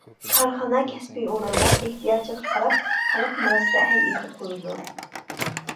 كارخانا، كەسپىي ئورۇنلار ئېھتىياجىغا قاراپ، خەلق مۇرەسسە ھەيئىتى قۇرىدۇ.